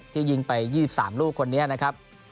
ยิงไป๒๓ลูกคนนี้นะครับ